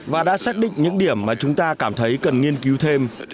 và đã xác định những điểm mà chúng ta cảm thấy cần nghiên cứu thêm